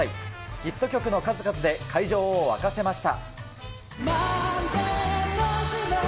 ヒット曲の数々で会場を沸かせました。